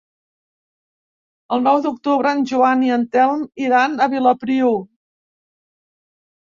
El nou d'octubre en Joan i en Telm iran a Vilopriu.